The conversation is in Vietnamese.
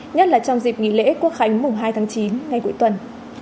nhất là trong dịp nghỉ lễ quốc khánh mùng hai tháng chín ngay cuối tuần